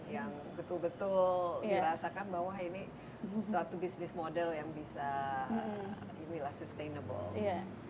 yang betul betul dirasakan bahwa ini suatu bisnis model yang bisa sustainable